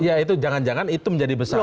ya itu jangan jangan itu menjadi besarnya